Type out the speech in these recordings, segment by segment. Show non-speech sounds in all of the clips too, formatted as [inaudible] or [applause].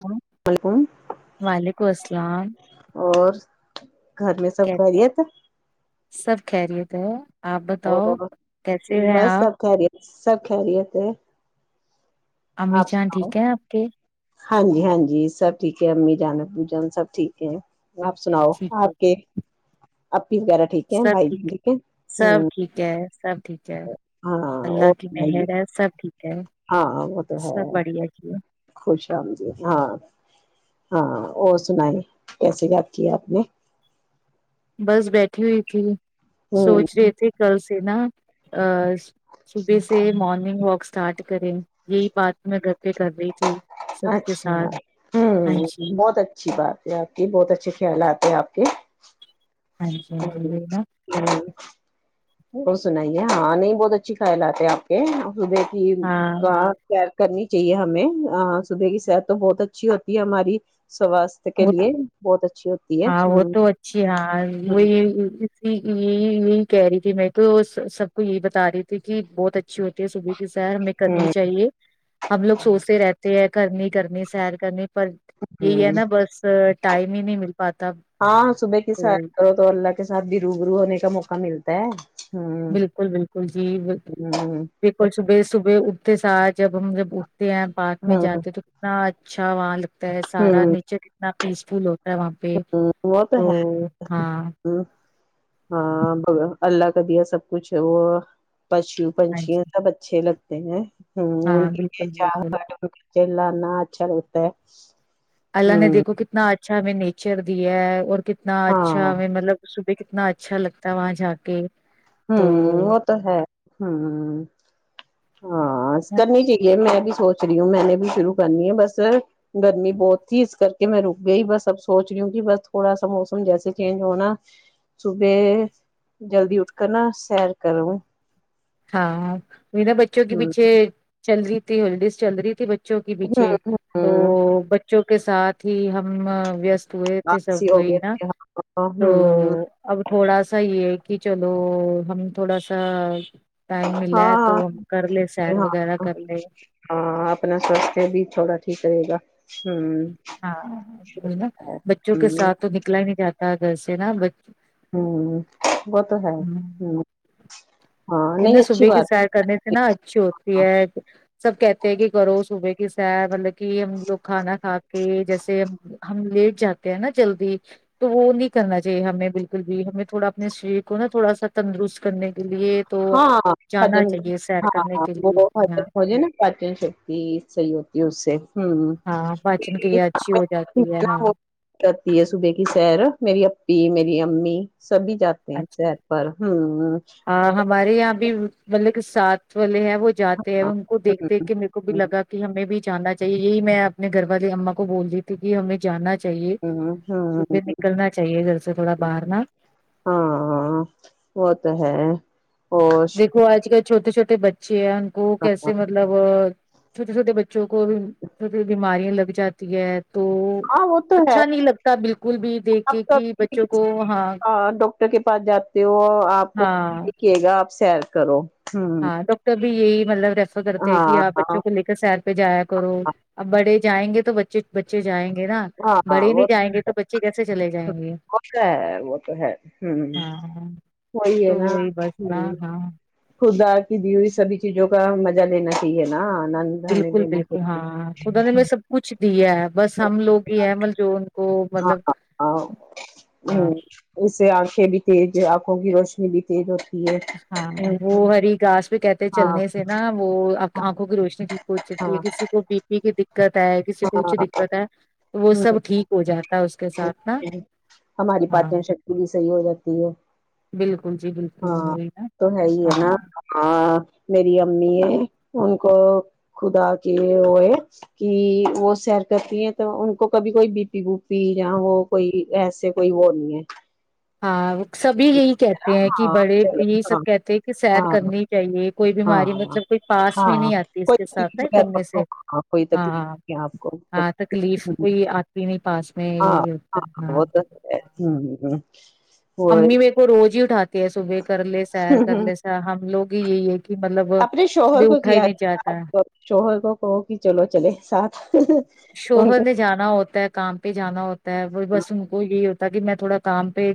ہ وعلیکم وعلیکم السلام اور گھر میں سب کی- خیریت سب خیریت ہے آپ اور بتاؤ بولو کیسے ہیں بس آپ سب خیریت سب خیریت ہے امی آپ جان سناؤ ٹھیک ہے آپ کے ہاں جی ہاں جی سب ٹھیک ہے امی جان ابو جان سب ٹھیک ہے آپ سناؤ ٹھیک ہے آپ کے اپی وغیرہ ٹھیک ہیں بھائی بہن ٹھیک ہے ہوں کے ہے سب ٹھیک ہے اللہ اور کی سنائیے مہر ہے سب ٹھیک ہے ہاں وہ تو ہے سب بڑھیا چے خوش آمدید ہاں ہاں اور سنائیں کیسے یاد کیا آپ نے بس بیٹھی ہوئی تھی ہ سوچ رہی تھے کل سے نا صبح سے مارننگ واک اسٹارٹ کریں یہی بات میں گھر پہ کر رہی تھی سب کے اچھا ساتھ ہاں ہوں جی بہت اچ اچھی بات ہے آپ کی بہت اچھے خیالات ہیں آپ کے ہاں جی ہاں جی ہوں وہی نا ہوں اور سنائیے ہاں نہیں بہت اچھی خیالات ہے آپ کی بیٹی ہاں کا سیر کرنی چاہیے ہمیں صبح کی صحت تو بہت اچھی ہوتی ہے ہماری صبح وہ تو ہاں وہ تو اچھی ہاں وہی ہ یہی یہی کہہ رہی تھی میں کو سب کو یہی بتا رہی تھی کہ بہت اچ ھی ہوتی ہے صبح کی سیر ہمیں کرنی ہوں چاہیے ہم لوگ سوچتے رہتے ہیں کرنی کرنی سیر کرنی پر یہی ہے ہوں نا ب بس ٹائم ہی نہیں مل پاتا ہاں صبح کی سیر کرو تو اللہ کے ساتھ بھی روبرو ہونے کا موقع ملتا ہے ہوں بالکل بالکل جی بالکل ہوں دیکھو صبح صبح اٹھتے ساتھ جب ہم جب اٹھتے ہیں پارک میں ہاں جاتے ہیں تو کتنا اچھا وہاں لگ تا ہے سارا ہوں نیچر کتنا پیس فل ہوتا ہے وہاں پہ تو ہاں ہاں اللہ کا دیا سب کچھ ہے وہ پشو ہاں پنچیاں جی سب اچھے لگتے ہیں ہ [unintelligible] ان ہاں کی بالکل بالکل پچا چلانا اچھا لگتا ہے اللہ نے ہوں دیکھو کتنا اچھا ہمیں نیچر دیا ہے اور کتنا اچھا ہاں ہمیں مطلب صبح اتنا اچھا لگتا ہے وہاں جا کے تو ہمم وہ تو ہے ہمم ہاں استعارے کے لیے میں بھی سوچ رہی ہوں میں نے بھی شروع کرنی ہے بس گرمی بہت تھی اس کر کے میں رک گئی بس اب سوچ رہی ہوں کہ بس تھوڑا سا موسم جیسے چینج ہونا صبح جلدی اٹھ کر نا سیر کروں ہاں میرے بچوں کے ہوں پیچھے چل رہی تھی ہالڈیز چل رہی تھی بچوں کے پیچھے تو ہوں بچوں کے ساتھ ہی ہم وست پئے تو سب آلسی ہو ہوئی گئے نا تھے ہاں تو ہوں اب تھوڑا سا یہ ہے کہ چلو ہم تھوڑا سا ٹائم ملا ہے تو ہاں ہم کر لے سیر ہاں وغیرہ کر لے ہاں اپنا سواستھ بھی تھوڑا ٹھیک رہے گا ہوں ہاں نا بچوں کے ہوں ساتھ تو نکلا ہی نہیں جاتا گھر سے نا ہوں وہ تو ہے بچ ہمم صبح کی سیر کرنے سے نا اچھی ہوتی ہے سب کہتے ہیں کہ کرو صبح کی سیر مطلب کہ ہم لوگ کھانا کھا کے جیسے ہم لیٹ جاتے ہیں نا جلدی تو وہ نہیں کرنا چاہیے ہمیں بالکل بھی ہمیں تھوڑا اپنے شریر کو نا تھوڑا سا تندرست کرنے کے لیے تو ہاں جانا جن چاہیے سیر ہاں کرنے ہاں کے وہ لیے ہاں [unintelligible] جے نا پاچن شکتی صحیح ہوتی ہے اس سے ہمم [inaudible] ہاں پاچن کریا اچھی ہو جاتی ہے ہاں کرتی ہے صبح کی سیر میری اپی میری امی سبھی جات تین چار پر ہوں آ ہمارے یہاں بھی مطلب کہ ساتھ والے ہیں وہ جاتے ہیں ان کو دیکھتے کہ میں کو بھی لگا کہ ہمیں بھی جاننا چاہیے میں اپنے گھر والے اما کو بول دی تھی کہ ہمیں جاننا چاہیے ہوں ہوں صبح نکلنا چاہیے گھر سے تھوڑا باہرنا ہاں ہاں وہ تو ہے اور دیکھو آج کل چھوٹے چھوٹے بچھے ہیں ان کو کیسے مطلب چھوٹے چھوٹے بق بچوں کو بھی بیماریاں لگ جاتی ہے تو ہاں وہ تو ہے اچھا نہیں لگتا بالکل بھی دیکھ کے آپ کہ بچوں کو ہاں ٹر کے پاس جاتے ہو آپ کو ہاں لے گا آپ سیر کرو ہ ہاں ڈاکٹر بھی یہی مطلب ریفر کرتے ہیں کہ ہاں آ ہاں بچوں کو لے سیر پہ جایا کرو اب بڑے جائیں گے تو بچے بچے جائیں گے نا ہاں بڑے وہ نہیں جائیں گے تو بچے کیسے چلے جائیں گے وہ تو ہے وہ تو ہے ہمم ہاں وہی ہے تو نا بس ہمم ہاں ہاں خدا کی دی ہوئی سبھی چیزوں کا مزہ لینا ہی نہ نند [unintelligible] دنی بالکل دین بالکل ہاں خدا نے میں سب کچھ بھی ہے بس ہم لوگ ہی ہے مطلب جو کو مطلب ہاں [unintelligible] ہاں ہمم اس سے آنکھیں بھی تیز ہے آنکھوں کی روشنی بھی تیز ہو ہاں وہ ہری گاس پہ کہتے ہاں چلنے سے نا وہ آنکھوں کی روشنی ٹھیک پچتی ہے ہاں کسی کو بی پی کی دقت ہے کسی کو ہاں اونچی دقت ہے تو وہ ہوں سب ٹھیک ہو جاتا ہے [unintelligible] نا ہماری ہاں پاچن شکتی بھی صحیح ہو جاتی ہے بالکل جی بالکل ہاں وہی نا تو ہے ہی ہے نا ہاں ہاں میری امی ہے ان کو خدا کی وہ ہے کہ وہ سیر کرتی ہیں تو ان کو کبھی کوئی بی پی بوپی یا وہ کوئی ایسے کوئی وہ نہیں ہے ہاں سبھی یہی کہتے ہیں کہ ہاں بڑے چلو یہی ہاں سب کہتے ہیں کہ سیر کرنی چاہیے کوئی ہاں بیماری ہاں مطلب کوئی پاس بھی ہاں نہیں آتی اس کوئی کے ساتھ تکلیف نہ وغیرہ سگنے آپ سے کو ہاں کوئی تکلیف ہاں نہیں آپ کو ہاں تکلیف ہوں، کوئی آتی نہیں پاس میں ہاں ہاں وہ تو ہمم وہ امی میرے کو روز ہی اٹھاتی ہے صبح کر لے سیر کر ہوں، لے ہم لوگ ہی یہی ہے کہ کہ مطلب اپنے شوہر کو اٹھا ھی کیا نہیں آپ جاہتا کو شوہر کو کہو کہ چلو چلے ساتھ شوہر کو نے جانا ہوتا ہے کام پہ جانا ہوتا ہے وہ بس ان کو یہی کہ میں تھوڑا کام پہ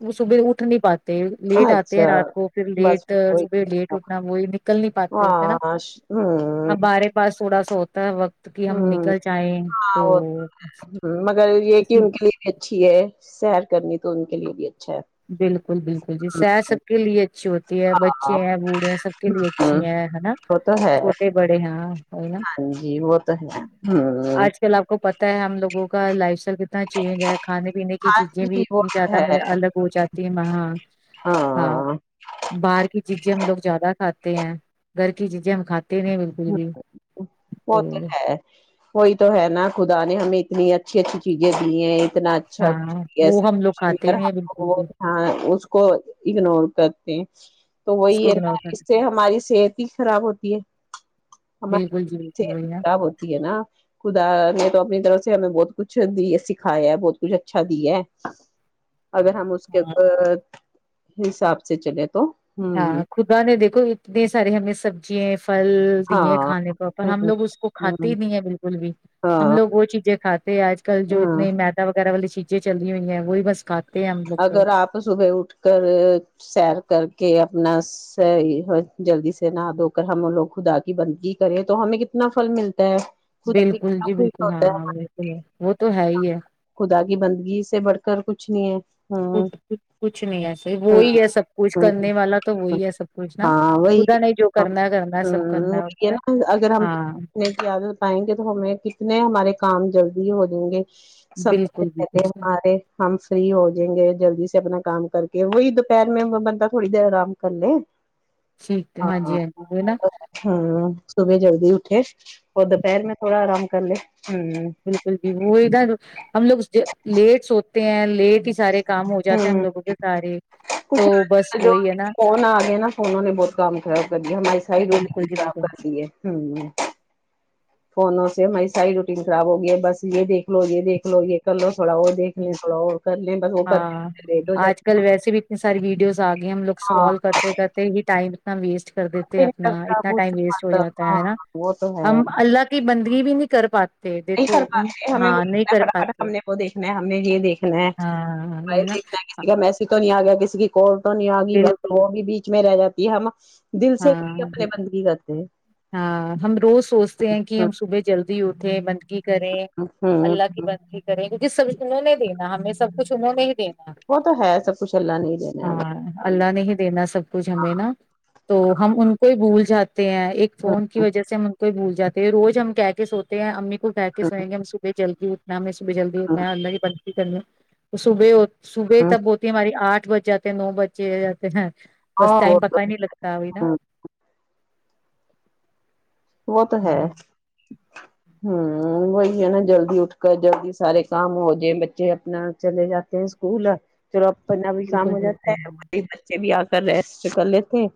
وہ صبح اٹھ نہیں پات لیٹ آتے ہیں اچھا رات کو پھر بس لیٹ پھر کوئی صبح لیٹ کیا، اٹھنا وہی نکل نہیں پاتے نا ہاں ہم ہمم ہمارے پاس تھوڑا سا ہوتا ہے وقت کی ہم نک ہمم ہاں وہ تو مگر یہ کہ اسی ان کے لیے بھی اچھی ہے سیر کرنی تو ان کے لیے بھی اچھا ہے بالکل بالکل جی سیر سب کے لیے اچھی ہوتی ہے ہاں بچے ہیں بوڑھے سب کے لیے اچھی ہوں، ہیں ہے نا وہ تو ہے چھوٹے ہاں نا ہاں جی وہ تو ہے ہوں آج کل آپ کو پت ہم لوگوں کا لائف اسٹائل کتنا چینج ہے کھانے پینے کی ہاں چیزیں بھی جی وہ اتنی تو زیادہ ہے م الگ ہو جاتی وہاں ہاں باہر کی چیزیں ہم لوگ زیادہ کھاتے ہیں گھر کی چیزیں ہم کھاتے نہیں بال [inaudible] وہ تو ہے وہی تو ہے نا خدا نے ہمیں اتنی اچھی اچھی چیزیں دی ہیں اتنا اچھا ہاں یس وہ ہم لوگ کھاتے نہیں بالکل بھی [unintelligible] ہاں اس کو اگنور کرتے ہیں تو اس وہی کو ہے نا بناؤ کر اس سے ہماری صحت ہی خراب ہوتی ہے ہمارے بالکل جی بالکل صحت بڑھیا خراب ہوتی ہے نا خدا نے تو اپنی طرف سے ہمیں بہت کچھ دی سکھایا ہے بہت کچھ اچھا دی ہے اگر ہم اس کے ہاں اوپر حساب سے چلے تو ہوں ہاں خدا نے دیکھو اتنے سارے ہمیں سبزی پھل دی ہے ہاں کھانے کو پر ہم ہ لوگ اس کو ہ کھاتے ہی نہیں ہے بالکل بھی ہم ہاں لوگ وہ چیزیں کھاتے ہیں آج ک کل جو ہاں اتنے میدا وغیرہ والی چیزیں چلی ہوئی ہیں وہ بھی بس کھ اگر آپ صبح اٹھ کر سیر کر کے اپنا صحیح جلدی سے نہا دھو کر ہم لوگ خدا کی بندگی کریں تو ہمیں کتنا پھل ملتا ہے خدا بھی بالکل کتنا جی خوش بالکل ہاں ہوتا ہاں بالکل ہے وہ تو ہے ہی ہے خدا کی بندگی سے بڑھ کر کچھ نہیں ہے ہاں خ کچھ نہیں ایسے وہی ہے سب کچھ ہاں کرنے والا تو وہی ہے سب کچھ نا ہاں وہی خدا نے جو کرنا ہے کرنا ہے سب کرنا اس وہی ہے میں نا اگر ہم ہاں [unintelligible] پائیں گے تو ہمیں کتنے ہمارے کام جلدی ہو جیں گے سمے سے بالکل بالکل پہلے ہمارے ہم فری ہو جیں گے جلدی سے اپنا کام کر کے وہی دوپہر میں بنتا تھوڑی دیر آرام کر لے ٹھیک ہے ہاں جی ہاں جی وہ نا ہاں صبح جلدی اٹھے اور دوپہر میں تھوڑا آرام کر لے امم جی بالکل بھی وہ ادھر ہم لوگ اس لیٹ سوتے ہیں لیٹ کی سارے کام ہو جاتے ہیں ہم لوگوں کے سارے تو کچھ بس جو وہی ہے نا فون آ گیا نا فونوں نے بہت کام خراب کر دیا ہماریے ساری بالکل روٹیںن جی خراب بالکل کرتی ہے امم فونوں سے ہماری ساری روٹین خراب ہو گیا ہے بس یہ دیکھ لو یہ دیکھ لو یہ کر لو تھوڑا وہ دیکھ لیں تھوڑا اور کر لیں بس وہ کرتے ہاں کرتے لیٹ ہو آج جاتے کل ہے ویسے بھی اتنی ساری ویڈیوز آ گئے ہم لوگ ہاں اسکور کرتے کرتے ہی ٹائم اتنا ویسٹ کر دیتے پہ اپنا اتنا ٹائم ویسٹ ہو جاتا ہاں ہے ہے نا وہ تو ہے ہم اللہ کی بندگی بھی نہیں کر پاتے یہ نہیں کر دیکھو پاتے ہمیں وہ ہاں نہیں کر فٹافٹ پاتے ہم نے وہ دیکھنا ہے ہمیں یہ دیکھنا ہے ہاں وہی بھاںی نا دیکھنا کسی کا مسیج تو نہیں آگیا کسی کی کال تو نہیں آگی بس بالکل وہ بھی بیچ میں رہ جاتی ہے ہم دل سے ہاں اپنے بالکل بندگی کرتے ہیں ہاں ہم روز سوچتے ہیں کہ ہم صبح جلدی اٹھے بندگی کریں ہ اللہ کی ہ بندگی کریں گے جس سب انہوں دینا ہمیں سب کچھ انہوں نے ہی دینا وہ تو ہے سب کچھ اللہ نہیں دینا ہے ہاں اللہ نے ہی دینا سب کچھ ہمیں نا تو ہم ان کو ہی بھول جاتے ہیں ایک فون کی وجہ سے کوئی بھول جاتے ہے روز ہم کہے کہ سوتے ہیں امی کو کہے کے سویں گے ہم صبح جلدی اٹھنا ہمیں صبح جلدی اٹھنا ہے اللہ کی بندگی کرنی تو صبح ہوت صبح ہمیں تب ہوت ہماری آٹھ بج جاتے ہیں نو بج جاتے ہیں بس ہاں وہ ٹائم پتا ہی نہیں لگتا ابھی نا تو وہ تو ہاں ہے امم وہی ہے نا جلدی اٹھ کر جلدی سارے کام ہو جائے بچے اپنا چلے جاتے ہیں کولا چلو اپنا بھی کام بالکل ہو جاتا بالکل ہے بچے بھی آ کر ریسٹ کر لیتے ہے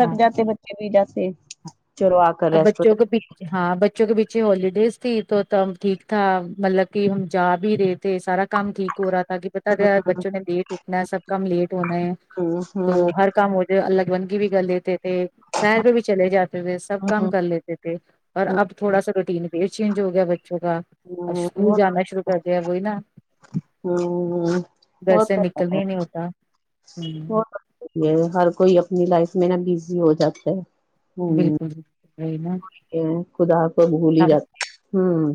ہاں ہاں جاتے ہے [unintelligible] چلو کر اب ریسٹ ہو بچوں کو ہاں بچوں کے پیچھے ہولڈیز تھی تو تب ٹھیک تھا مطلب کہ ہم جا بھی رہے تھے سارا کام ٹھیک ہو رہا تھا کے پتا گیا بچوں نے لیٹ اٹھنا ہے سب کام لیٹ ہونا ہے جاتے تو ہوں ہر کام ہو جاتا الگ بنگی بھی کر لیتے تھے شہر پہ بھی چلے جاتے تھے سب کم ہوں کر لیتے تھے اور اب تھوڑا سا روٹین پے چینج ہو گیا بچوں کا اب اسکول جانا شروع کر دیا وہی نا ہوں گھر سے نکلنے ہی نہیں ہوتا ہاں ہر کوئی اپنی لائف میں نا بزی ہو جاتا ہے بالکل وہی نا وہی تو ہے خدا کو بھول ہی ہم جاتا امم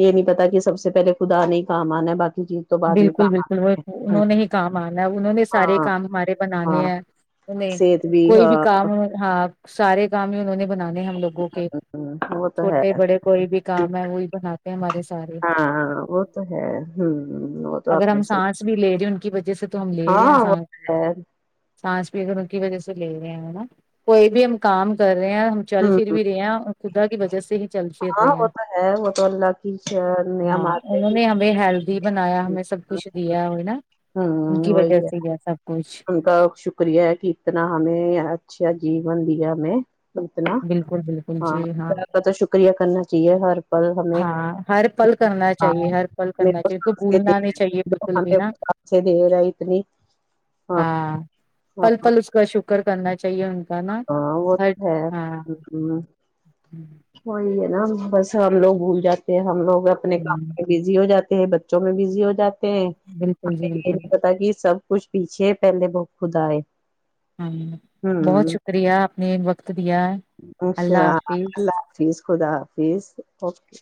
یہ نہیں پتا کہ سب سے پہلے خدا نے ہی کام آنا ہے باقی چیز تو بعد میں بالکل بالکل وہ کام انہوں نے ہی کام آنا انہوں نے سارے ہاں کام ہمارے بنانے ہاں ہیں انیں صحت کوئی بھی ہاں کام ہاں سارے کام ہی انہوں نے بنانے ہیں لوگوں کے وہ تو ہے چھوٹے بڑے کوئی بھی کام ہے وہی بناتے ہمارے سارے ہاں ہاں وہ تو ہے تو اگر آپ نے ہم صحیح سانس بھی لے رہے ہیں ان کی وجہ سے تو ہم لے رہے ہیں ہاں وہ سانس بھی تو ہے سانس بھی ہم انکی وجہ سے لے رہے ہیں نا کوئی بھی ہم کام کر رہے ہیں ہم چل ہوں پھر بھی رہے ہیں اور خدا کی وجہ سے ہی چل پر ہاں رہے وہ ہیں تو ہے وہ تو اللہ کی ہاں نعمات ہے انہوں کہ نے ہمیں ہیلدی بنایا ہم سب کچھ دیا ہو نا انکی وجہ سے ہے سب کچھ انکا شک ریہ ہے کہ اتنا ہمیں اچھا جیون دیا ہمیں اتنا بالکل بالکل ہاں جی آپ کا تو شکریہ کرنا چاہیے ہر ہمیں ہاں ہر پل کرنا چاہیے ہر پل کرنا چاہیے کو بھولنا نہیں چاہیے بالکل بھی نا [unintelligible] [unintelligible] ہاں ہاں پل پل اس کا شکر کرنا چاہیے ہم ہے نا ہاں وہ تو ہے ہاں ہوں وہی ہے نا بس ہم لوگ بھول جاتے ہیں ہم لوگ اپنے ہوں، کام بزی ہو جاتے ہیں بچوں میں بزی ہو جاتے ہیں بالکل ہمیں جی یہ بالکل نہیں پتا کہ سب کچھ پیچھے پہلے بہت خدا ہے ہاں بہت ہوں شکریہ آپ نے یہ وقت دیا ہے اچھا اللہ حافظ خدا حافظ اوکے